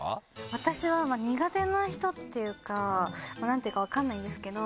私は苦手な人っていうか何ていうか分かんないんですけど。